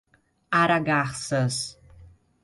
Aragarças